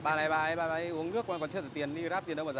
bà này bà ấy bà ấy uống nước mà còn chưa rửa tiền đi rát tiền đâu mà rả